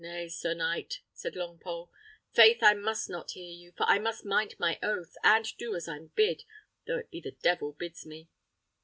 "Nay, sir knight," said Longpole; "faith I must not hear you, for I must mind my oath, and do as I'm bid, though it be the devil bids me.